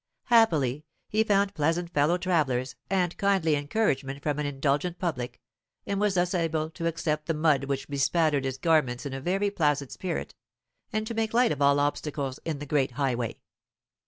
Happily, he found pleasant fellow travellers and kindly encouragement from an indulgent public, and was thus able to accept the mud which bespattered his garments in a very placid spirit, and to make light of all obstacles in the great highway.